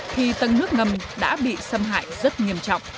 thì tầng nước ngầm đã bị xâm hại rất nghiêm trọng